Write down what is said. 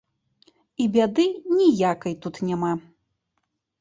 І бяды ніякай тут няма.